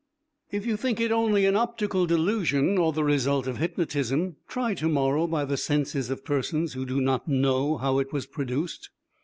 If you think it only an optical delusion or the result of hypnotism, try to morrow by the senses of persons who do not know how it was produced."